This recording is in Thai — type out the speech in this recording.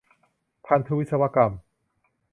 พันธุวิศวกรรม